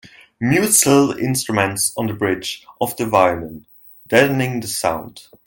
Mutes little instruments on the bridge of the violin, deadening the sound.